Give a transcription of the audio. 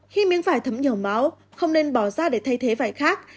khi miếng vải thấm nhiều máu không nên bỏ ra để thay thế vải khác